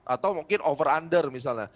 atau mungkin over under misalnya